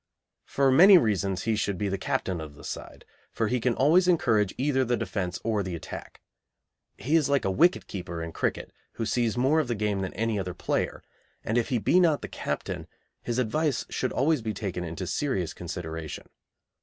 For, many reasons he should be the captain of the side, for he can always encourage either the defence or the attack. He is like a wicketkeeper in cricket, who sees more of the game than any other player, and if he be not the captain, his advice should always be taken into serious consideration.